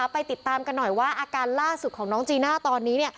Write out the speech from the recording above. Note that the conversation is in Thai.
ไปติดตามกันหน่อยว่าอาการล่าสุดของน้องจีน่าตอนนี้